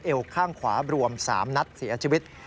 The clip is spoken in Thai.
ข้างขวารวม๓นัดเสียชีวิต